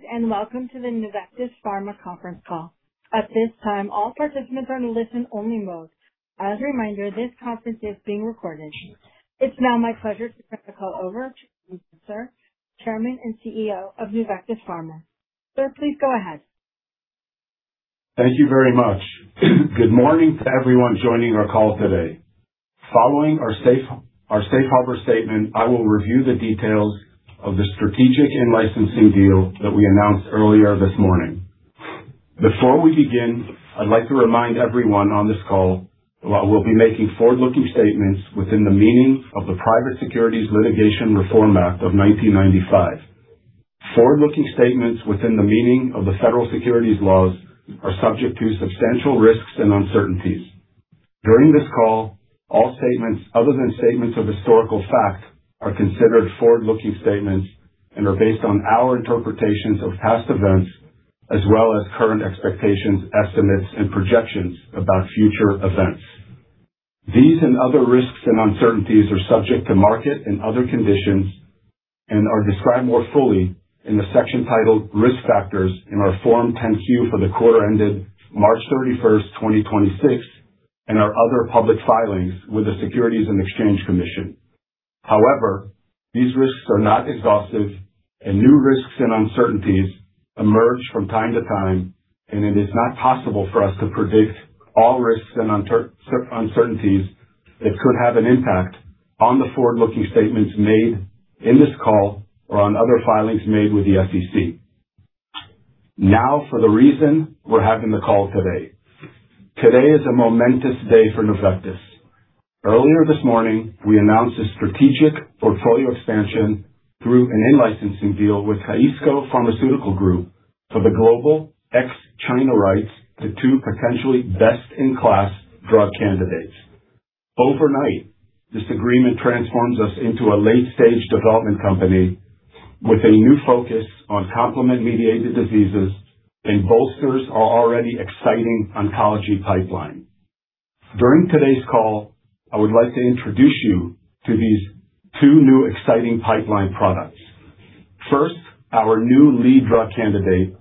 Greetings, welcome to the Nuvectis Pharma conference call. At this time, all participants are in listen only mode. As a reminder, this conference is being recorded. It's now my pleasure to turn the call over to Sir, Chairman, and CEO of Nuvectis Pharma. Sir, please go ahead. Thank you very much. Good morning to everyone joining our call today. Following our safe harbor statement, I will review the details of the strategic in-licensing deal that we announced earlier this morning. Before we begin, I'd like to remind everyone on this call that we'll be making forward-looking statements within the meaning of the Private Securities Litigation Reform Act of 1995. Forward-looking statements within the meaning of the federal securities laws are subject to substantial risks and uncertainties. During this call, all statements other than statements of historical fact are considered forward-looking statements and are based on our interpretations of past events as well as current expectations, estimates, and projections about future events. These and other risks and uncertainties are subject to market and other conditions and are described more fully in the section titled Risk Factors in our Form 10-Q for the quarter ended March 31st, 2026, and our other public filings with the Securities and Exchange Commission. However, these risks are not exhaustive, new risks and uncertainties emerge from time to time and it is not possible for us to predict all risks and uncertainties that could have an impact on the forward-looking statements made in this call or on other filings made with the SEC. Now, for the reason we're having the call today. Today is a momentous day for Nuvectis. Earlier this morning, we announced a strategic portfolio expansion through an in-licensing deal with Eisai Pharmaceutical Group for the global ex-China rights to two potentially best-in-class drug candidates. Overnight, this agreement transforms us into a late-stage development company with a new focus on complement-mediated diseases and bolsters our already exciting oncology pipeline. During today's call, I would like to introduce you to these two new exciting pipeline products. First, our new lead drug candidate,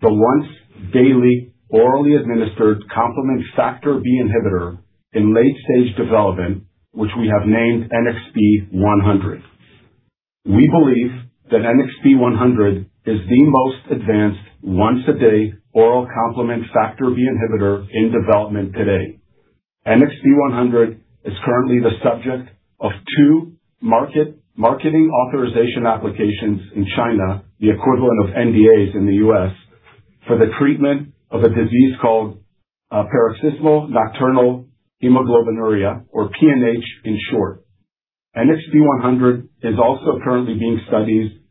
the once daily orally administered complement factor B inhibitor in late stage development, which we have named NXP100. We believe that NXP100 is the most advanced once-a-day oral complement factor B inhibitor in development today. NXP100 is currently the subject of two marketing authorization applications in China, the equivalent of NDAs in the U.S., for the treatment of a disease called paroxysmal nocturnal hemoglobinuria or PNH in short. NXP100 is also currently being studied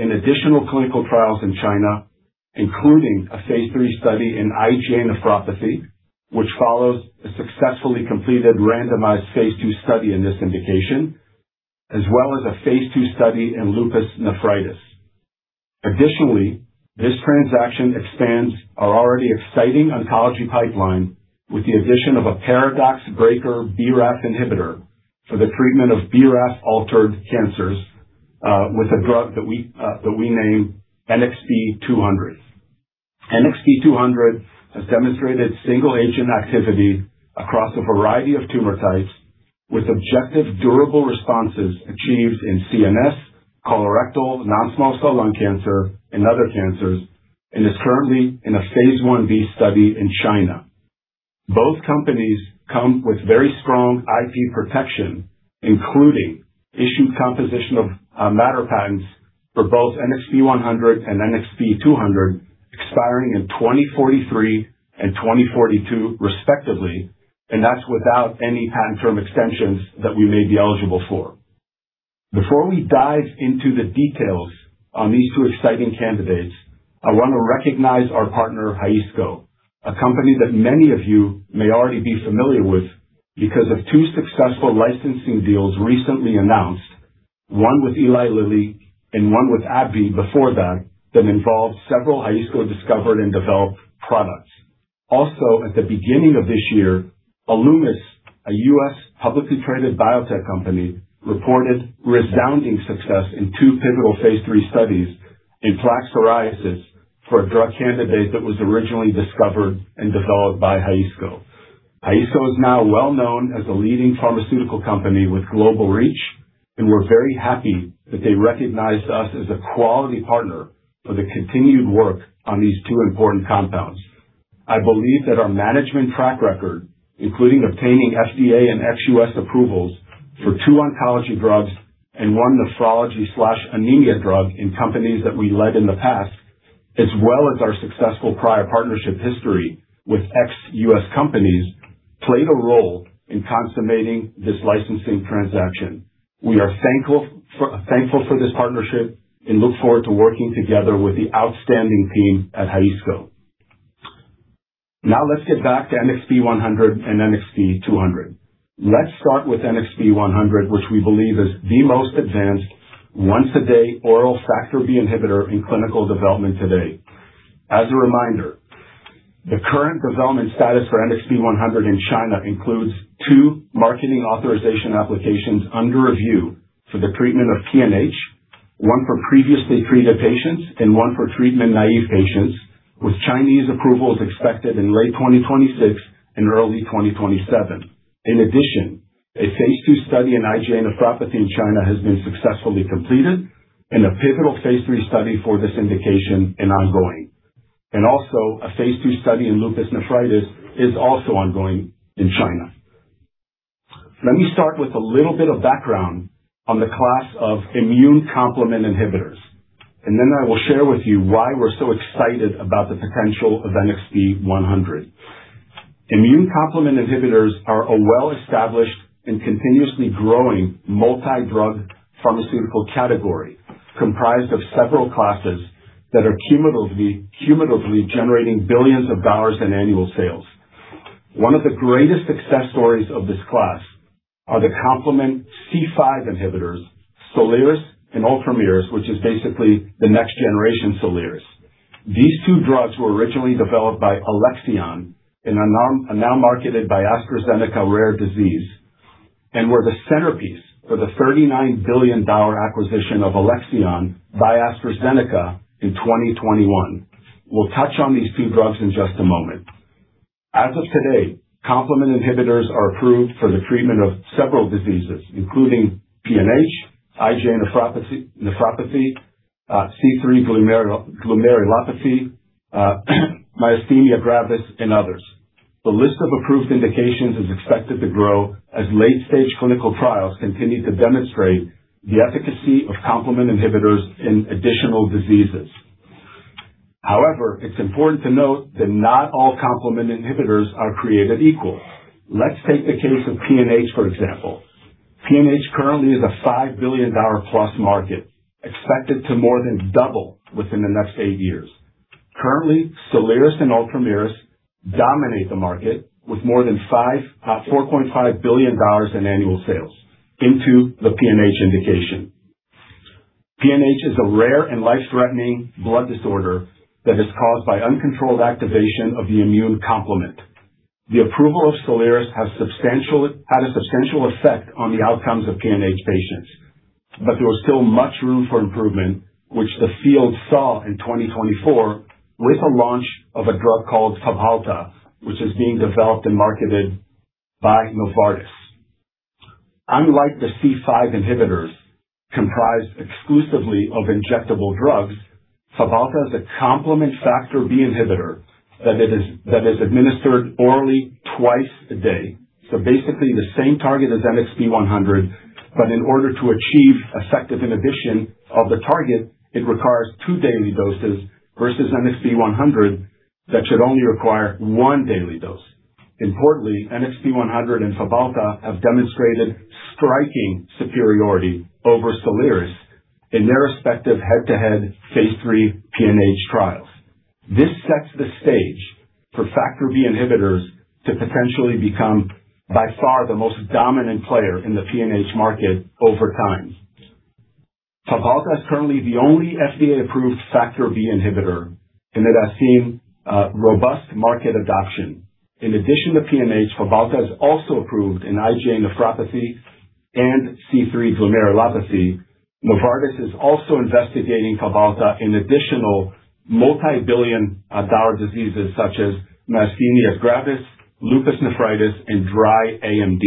in additional clinical trials in China, including a phase III study in IgA nephropathy, which follows a successfully completed randomized phase II study in this indication, as well as a phase II study in lupus nephritis. Additionally, this transaction expands our already exciting oncology pipeline with the addition of a paradox breaker BRAF inhibitor for the treatment of BRAF-altered cancers, with a drug that we named NXP200. NXP200 has demonstrated single agent activity across a variety of tumor types with objective durable responses achieved in CNS, colorectal, non-small cell lung cancer, and other cancers, and is currently in a phase I-B study in China. Both companies come with very strong IP protection, including issued composition of matter patents for both NXP100 and NXP200, expiring in 2043 and 2042, respectively, and that's without any patent term extensions that we may be eligible for. Before we dive into the details on these two exciting candidates, I want to recognize our partner, Eisai, a company that many of you may already be familiar with because of two successful licensing deals recently announced, one with Eli Lilly and one with AbbVie before that involved several Eisai discovered and developed products. Also, at the beginning of this year, Alumis, a U.S. publicly traded biotech company, reported resounding success in two pivotal phase III studies in plaque psoriasis for a drug candidate that was originally discovered and developed by Eisai. Eisai is now well-known as a leading pharmaceutical company with global reach. We're very happy that they recognized us as a quality partner for the continued work on these two important compounds. I believe that our management track record, including obtaining FDA and ex-U.S. approvals for two oncology drugs and one nephrology/anemia drug in companies that we led in the past, as well as our successful prior partnership history with ex-U.S. companies, played a role in consummating this licensing transaction. We are thankful for this partnership and look forward to working together with the outstanding team at Eisai. Let's get back to NXP100 and NXP200. Let's start with NXP100, which we believe is the most advanced once-a-day oral factor B inhibitor in clinical development today. As a reminder, the current development status for NXP100 in China includes two marketing authorization applications under review for the treatment of PNH, one for previously treated patients and one for treatment-naïve patients, with Chinese approvals expected in late 2026 and early 2027. In addition, a phase II study in IgA nephropathy in China has been successfully completed, and a pivotal phase III study for this indication is ongoing. Also, a phase II study in lupus nephritis is also ongoing in China. Let me start with a little bit of background on the class of immune complement inhibitors. Then I will share with you why we're so excited about the potential of NXP100. Immune complement inhibitors are a well-established and continuously growing multi-drug pharmaceutical category comprised of several classes that are cumulatively generating billions of dollars in annual sales. One of the greatest success stories of this class are the complement C5 inhibitors, SOLIRIS and ULTOMIRIS, which is basically the next generation SOLIRIS. These two drugs were originally developed by Alexion and are now marketed by AstraZeneca Rare Disease and were the centerpiece for the $39 billion acquisition of Alexion by AstraZeneca in 2021. We'll touch on these two drugs in just a moment. As of today, complement inhibitors are approved for the treatment of several diseases, including PNH, IgA nephropathy, C3 glomerulopathy, myasthenia gravis, and others. The list of approved indications is expected to grow as late-stage clinical trials continue to demonstrate the efficacy of complement inhibitors in additional diseases. However, it's important to note that not all complement inhibitors are created equal. Let's take the case of PNH, for example. PNH currently is a $5 billion-plus market, expected to more than double within the next 8 years. Currently, SOLIRIS and ULTOMIRIS dominate the market with more than $4.5 billion in annual sales into the PNH indication. PNH is a rare and life-threatening blood disorder that is caused by uncontrolled activation of the immune complement. The approval of SOLIRIS had a substantial effect on the outcomes of PNH patients, but there was still much room for improvement, which the field saw in 2024 with the launch of a drug called Fabhalta, which is being developed and marketed by Novartis. Unlike the C5 inhibitors, comprised exclusively of injectable drugs, Fabhalta is a complement factor B inhibitor that is administered orally twice a day. Basically the same target as NXP100, but in order to achieve effective inhibition of the target, it requires two daily doses versus NXP100, that should only require one daily dose. Importantly, NXP100 and Fabhalta have demonstrated striking superiority over SOLIRIS in their respective head-to-head phase III PNH trials. This sets the stage for factor B inhibitors to potentially become by far the most dominant player in the PNH market over time. Fabhalta is currently the only FDA-approved factor B inhibitor, and it has seen robust market adoption. In addition to PNH, Fabhalta is also approved in IgA nephropathy and C3 glomerulopathy. Novartis is also investigating Fabhalta in additional multi-billion dollar diseases such as myasthenia gravis, lupus nephritis, and dry AMD.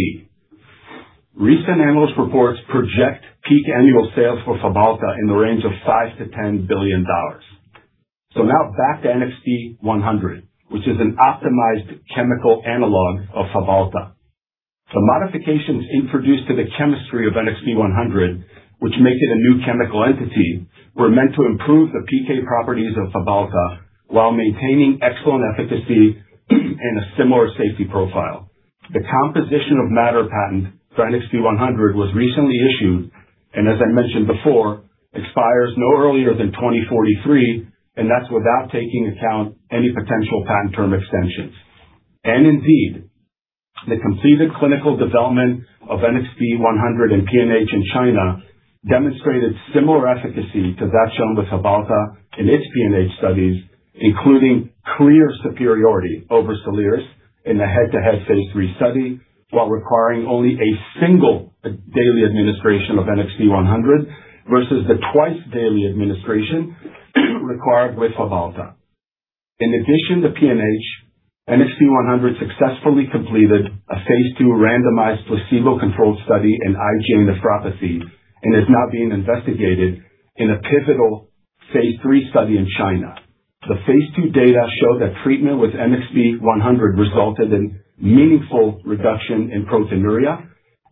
Recent analyst reports project peak annual sales for Fabhalta in the range of $5 billion-$10 billion. Now back to NXP100, which is an optimized chemical analog of Fabhalta. The modifications introduced to the chemistry of NXP100, which make it a new chemical entity, were meant to improve the PK properties of Fabhalta while maintaining excellent efficacy and a similar safety profile. The composition of matter patent for NXP100 was recently issued and, as I mentioned before, expires no earlier than 2043, and that's without taking account any potential patent term extensions. Indeed, the completed clinical development of NXP100 in PNH in China demonstrated similar efficacy to that shown with Fabhalta in its PNH studies, including clear superiority over SOLIRIS in the head-to-head phase III study, while requiring only a single daily administration of NXP100 versus the twice-daily administration required with Fabhalta. In addition to PNH, NXP100 successfully completed a phase II randomized placebo-controlled study in IgA nephropathy and is now being investigated in a pivotal phase III study in China. The phase II data show that treatment with NXP100 resulted in meaningful reduction in proteinuria,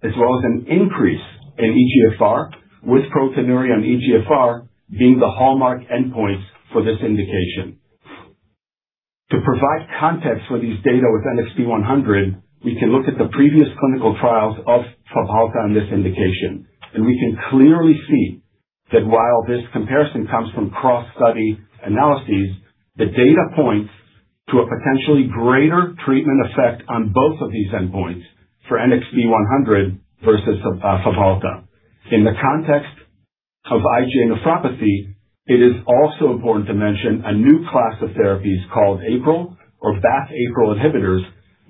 as well as an increase in eGFR, with proteinuria and eGFR being the hallmark endpoints for this indication. To provide context for these data with NXP100, we can look at the previous clinical trials of Fabhalta on this indication, and we can clearly see that while this comparison comes from cross-study analyses, the data points to a potentially greater treatment effect on both of these endpoints for NXP100 versus Fabhalta. In the context of IgA nephropathy, it is also important to mention a new class of therapies called APRIL or BAFF-APRIL inhibitors,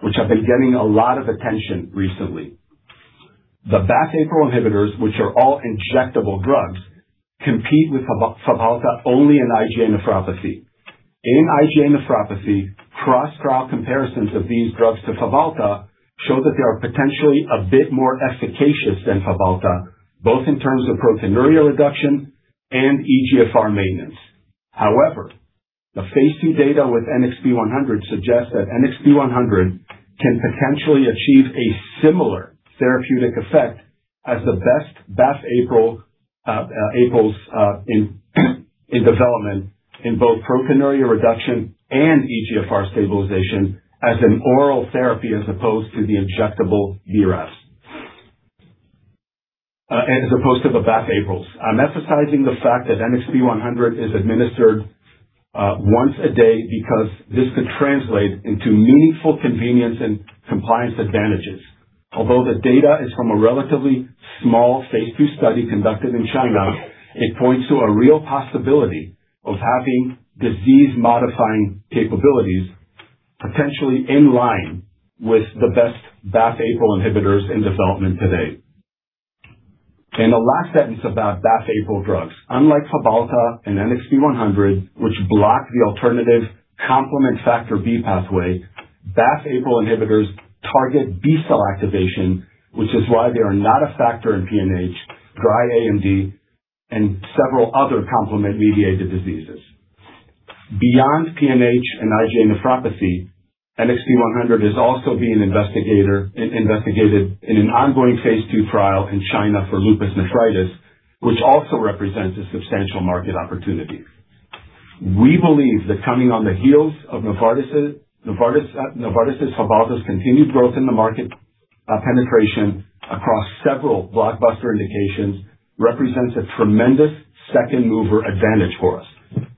which have been getting a lot of attention recently. The BAFF-APRIL inhibitors, which are all injectable drugs, compete with Fabhalta only in IgA nephropathy. In IgA nephropathy, cross-trial comparisons of these drugs to Fabhalta show that they are potentially a bit more efficacious than Fabhalta, both in terms of proteinuria reduction and eGFR maintenance. The phase II data with NXP100 suggests that NXP100 can potentially achieve a similar therapeutic effect as the best BAFF-APRILs in development in both proteinuria reduction and eGFR stabilization as an oral therapy as opposed to the injectable [beras], as opposed to the BAFF-APRILs. I'm emphasizing the fact that NXP100 is administered once a day because this could translate into meaningful convenience and compliance advantages. Although the data is from a relatively small phase II study conducted in China, it points to a real possibility of having disease-modifying capabilities potentially in line with the best BAFF-APRIL inhibitors in development today. A last sentence about BAFF-APRIL drugs. Unlike Fabhalta and NXP100, which block the alternative complement Factor B pathway, BAFF-APRIL inhibitors target B-cell activation, which is why they are not a factor in PNH, dry AMD, and several other complement-mediated diseases. Beyond PNH and IgA nephropathy, NXP100 is also being investigated in an ongoing phase II trial in China for lupus nephritis, which also represents a substantial market opportunity. We believe that coming on the heels of Novartis' Fabhalta's continued growth in the market penetration across several blockbuster indications represents a tremendous second-mover advantage for us.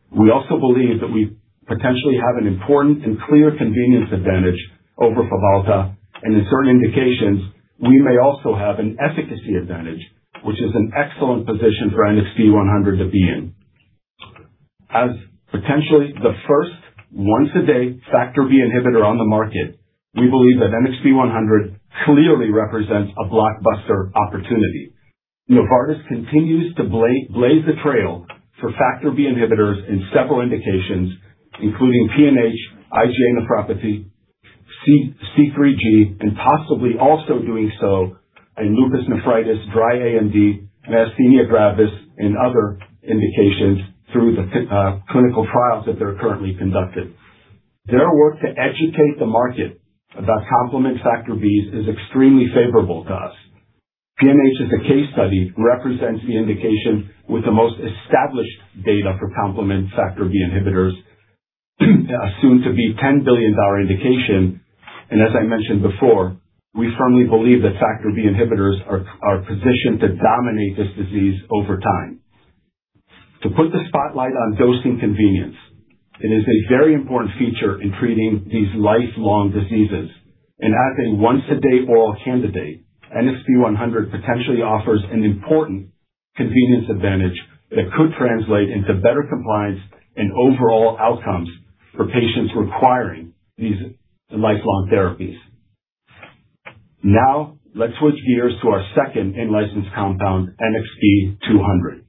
We also believe that we potentially have an important and clear convenience advantage over Fabhalta. In certain indications, we may also have an efficacy advantage, which is an excellent position for NXP100 to be in. As potentially the first once-a-day Factor B inhibitor on the market, we believe that NXP100 clearly represents a blockbuster opportunity. Novartis continues to blaze the trail for Factor B inhibitors in several indications, including PNH, IgA nephropathy, C3G, and possibly also doing so in lupus nephritis, dry AMD, myasthenia gravis, and other indications through the clinical trials that they're currently conducting. Their work to educate the market about complement Factor Bs is extremely favorable to us. PNH as a case study represents the indication with the most established data for complement Factor B inhibitors, a soon-to-be $10 billion indication. As I mentioned before, we firmly believe that Factor B inhibitors are positioned to dominate this disease over time. To put the spotlight on dosing convenience, it is a very important feature in treating these lifelong diseases. As a once-a-day oral candidate, NXP100 potentially offers an important convenience advantage that could translate into better compliance and overall outcomes for patients requiring these lifelong therapies. Let's switch gears to our second in-license compound, NXP200.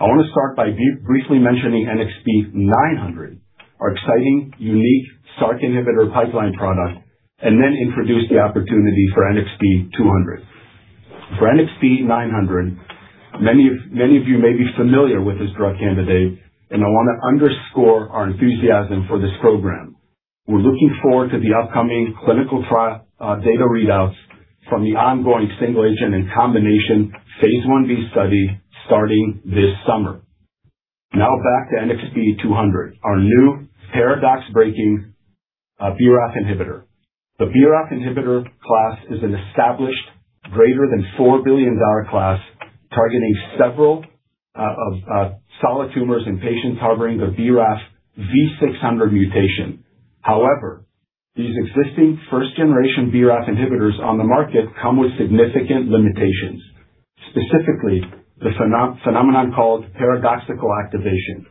I want to start by briefly mentioning NXP900, our exciting, unique Src inhibitor pipeline product, and then introduce the opportunity for NXP200. For NXP900, many of you may be familiar with this drug candidate, and I want to underscore our enthusiasm for this program. We're looking forward to the upcoming clinical trial data readouts from the ongoing single-agent and combination phase I-B study starting this summer. Back to NXP200, our new paradox-breaking BRAF inhibitor. The BRAF inhibitor class is an established greater than $4 billion class targeting several solid tumors in patients harboring the BRAF V600 mutation. However, these existing first-generation BRAF inhibitors on the market come with significant limitations, specifically the phenomenon called paradoxical activation.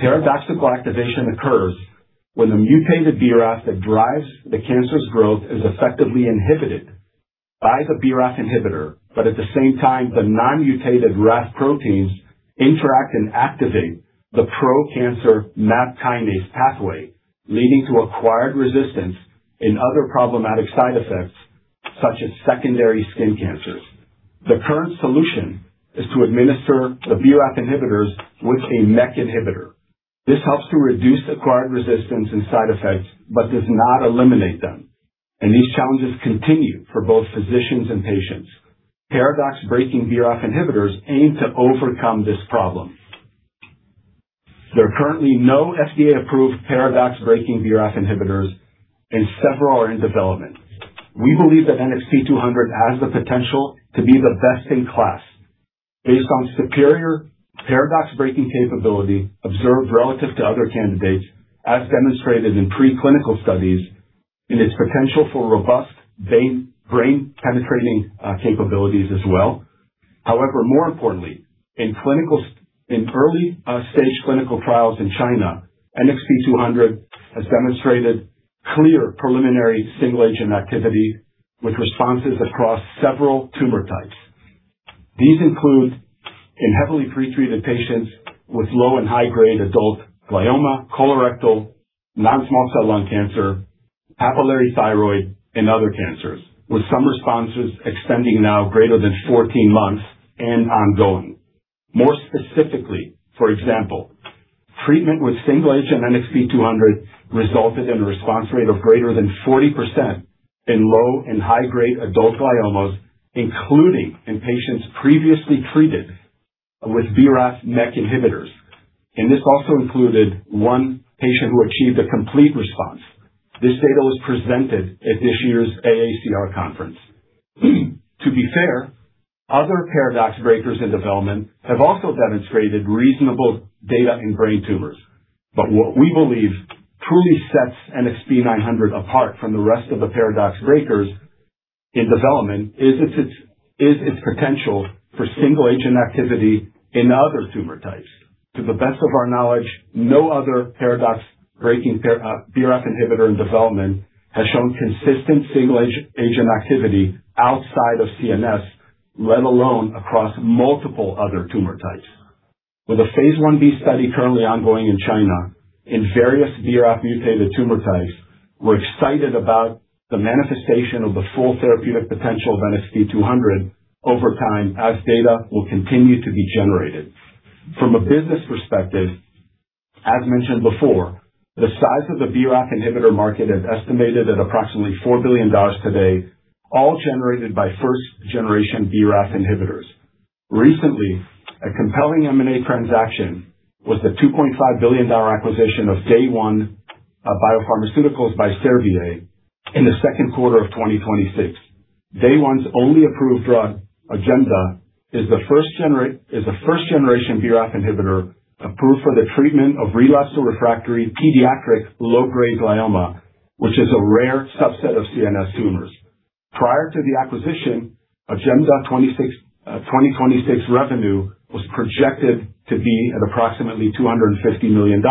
Paradoxical activation occurs when the mutated BRAF that drives the cancer's growth is effectively inhibited by the BRAF inhibitor, but at the same time, the non-mutated RAF proteins interact and activate the pro-cancer MAP kinase pathway, leading to acquired resistance and other problematic side effects, such as secondary skin cancers. The current solution is to administer the BRAF inhibitors with a MEK inhibitor. This helps to reduce acquired resistance and side effects but does not eliminate them, and these challenges continue for both physicians and patients. Paradox-breaking BRAF inhibitors aim to overcome this problem. There are currently no FDA-approved paradox-breaking BRAF inhibitors, and several are in development. We believe that NXP200 has the potential to be the best in class based on superior paradox-breaking capability observed relative to other candidates, as demonstrated in preclinical studies and its potential for robust brain-penetrating capabilities as well. More importantly, in early stage clinical trials in China, NXP200 has demonstrated clear preliminary single agent activity with responses across several tumor types. These include in heavily pretreated patients with low and high-grade adult glioma, colorectal, non-small cell lung cancer, papillary thyroid and other cancers, with some responses extending now greater than 14 months and ongoing. More specifically, for example, treatment with single agent NXP200 resulted in a response rate of greater than 40% in low and high-grade adult gliomas, including in patients previously treated with BRAF/MEK inhibitors. This also included one patient who achieved a complete response. This data was presented at this year's ACR conference. To be fair, other paradox breakers in development have also demonstrated reasonable data in brain tumors. What we believe truly sets NXP200 apart from the rest of the paradox breakers in development is its potential for single-agent activity in other tumor types. To the best of our knowledge, no other paradox-breaking BRAF inhibitor in development has shown consistent single-agent activity outside of CNS, let alone across multiple other tumor types. With a phase I-B study currently ongoing in China in various BRAF-mutated tumor types, we're excited about the manifestation of the full therapeutic potential of NXP200 over time as data will continue to be generated. From a business perspective, as mentioned before, the size of the BRAF inhibitor market is estimated at approximately $4 billion today, all generated by first-generation BRAF inhibitors. Recently, a compelling M&A transaction was the $2.5 billion acquisition of Day One Biopharmaceuticals by Servier in the second quarter of 2026. Day One's only approved drug, OJEMDA, is a first-generation BRAF inhibitor approved for the treatment of relapsed or refractory pediatric low-grade glioma, which is a rare subset of CNS tumors. Prior to the acquisition, OJEMDA 2026 revenue was projected to be at approximately $250 million,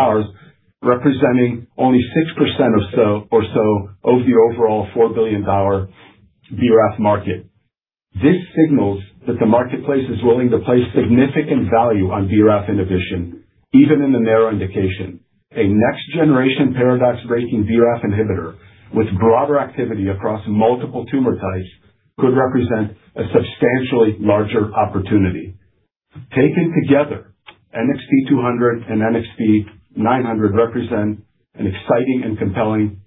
representing only 6% or so of the overall $4 billion BRAF market. This signals that the marketplace is willing to place significant value on BRAF inhibition, even in the narrow indication. A next generation paradox breaker BRAF inhibitor with broader activity across multiple tumor types could represent a substantially larger opportunity. Taken together, NXP200 and NXP900 represent an exciting and compelling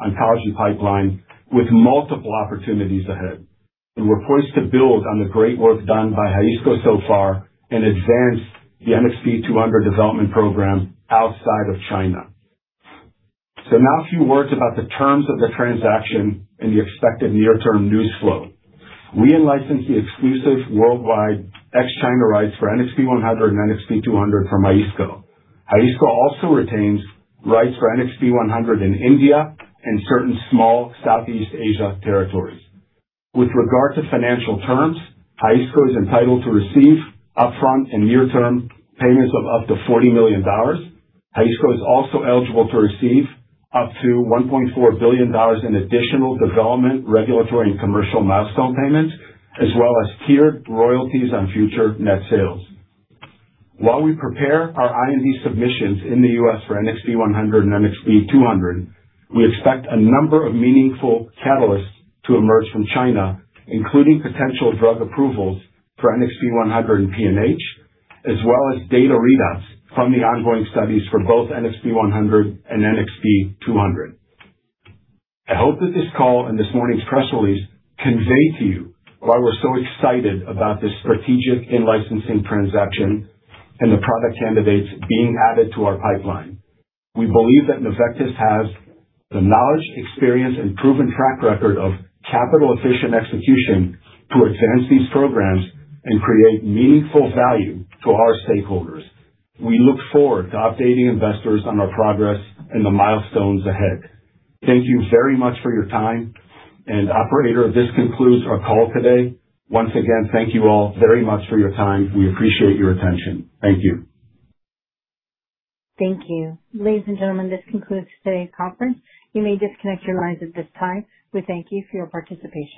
oncology pipeline with multiple opportunities ahead, and we're poised to build on the great work done by Haisco so far and advance the NXP200 development program outside of China. Now a few words about the terms of the transaction and the expected near-term news flow. We in-license the exclusive worldwide ex-China rights for NXP100 and NXP200 from Haisco. Haisco also retains rights for NXP100 in India and certain small Southeast Asia territories. With regard to financial terms, Haisco is entitled to receive upfront and near-term payments of up to $40 million. Haisco is also eligible to receive up to $1.4 billion in additional development, regulatory and commercial milestone payments, as well as tiered royalties on future net sales. While we prepare our IND submissions in the U.S. for NXP100 and NXP200, we expect a number of meaningful catalysts to emerge from China, including potential drug approvals for NXP100 in PNH, as well as data readouts from the ongoing studies for both NXP100 and NXP200. I hope that this call and this morning's press release convey to you why we're so excited about this strategic in-licensing transaction and the product candidates being added to our pipeline. We believe that Nuvectis has the knowledge, experience and proven track record of capital-efficient execution to advance these programs and create meaningful value to our stakeholders. We look forward to updating investors on our progress and the milestones ahead. Thank you very much for your time. Operator, this concludes our call today. Once again, thank you all very much for your time. We appreciate your attention. Thank you. Thank you. Ladies and gentlemen, this concludes today's conference. You may disconnect your lines at this time. We thank you for your participation.